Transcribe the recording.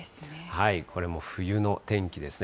これも冬の天気ですね。